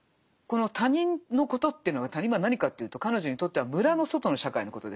この「他人のこと」というのが「他人」は何かというと彼女にとっては村の外の社会のことですよね。